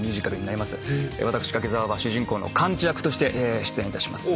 私柿澤は主人公のカンチ役として出演いたします。